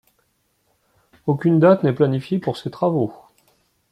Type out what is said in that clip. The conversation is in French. Aucune date n'est planifiée pour ces travaux.